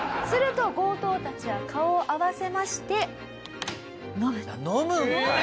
すると強盗たちは顔を合わせまして。